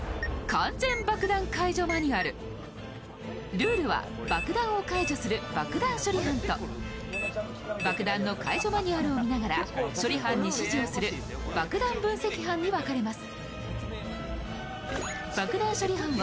ルールは、爆弾を解除する爆弾処理班と爆弾の解除マニュアルを見ながら処理班に指示をする爆弾分析班に分かれます。